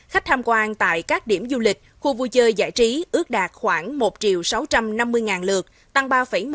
khách tham quan tại các điểm du lịch khu vui chơi giải trí ước đạt khoảng một sáu trăm năm mươi lượt tăng ba một